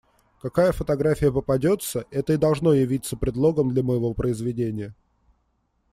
Какая фотография попадется, это и должно явиться предлогом для моего произведения.